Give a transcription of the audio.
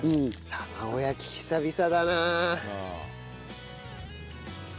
玉子焼き久々だな。